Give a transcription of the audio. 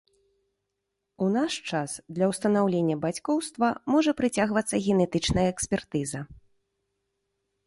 У наш час для ўстанаўлення бацькоўства можа прыцягвацца генетычная экспертыза.